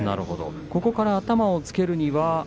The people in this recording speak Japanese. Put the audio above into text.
ここから頭をつけるには？